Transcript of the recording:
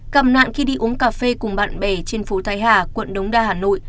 gặp nạn khi đi uống cà phê cùng bạn bè trên phố thái hà quận đống đa hà nội